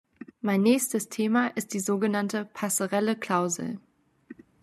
Mein nächstes Thema ist die so genannte Passerelle-Klausel.